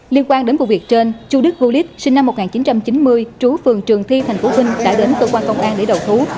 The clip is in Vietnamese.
liên quan đến vụ việc trên chú đức hulit sinh năm một nghìn chín trăm chín mươi trú phường trường thi thành phố vinh đã đến cơ quan công an để đầu thú